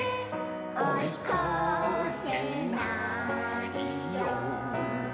「おいこせないよ」